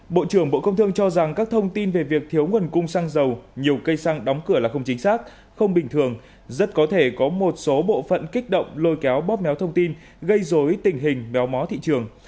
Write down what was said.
bộ trưởng bộ công thương cho rằng các thông tin về việc thiếu nguồn cung xăng dầu nhiều cây xăng đóng cửa là không chính xác không bình thường rất có thể có một số bộ phận kích động lôi kéo bóp méo thông tin gây dối tình hình méo mó thị trường